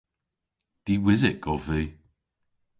Diwysyk ov vy.